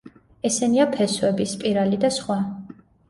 ესენია „ფესვები“, „სპირალი“ და სხვა.